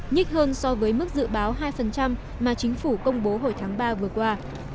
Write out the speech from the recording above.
nhích hơn so với mức dự báo hai mà chính phủ công bố hồi tháng ba vừa qua